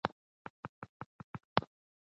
د پښتو په ژبه سوله راولو.